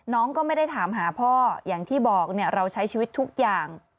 น้องก็ไม่ได้ถามหาพ่ออย่างที่บอกเราใช้ชีวิตทุกอย่าง